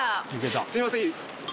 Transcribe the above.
すいません。